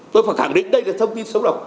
tôi phải khẳng định đây là thông tin xấu độc